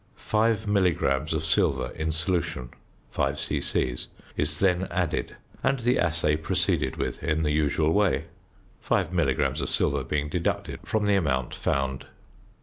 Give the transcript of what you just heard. Five milligrams of silver in solution (5 c.c.) is then added, and the assay proceeded with in the usual way; 5 milligrams of silver being deducted from the amount found.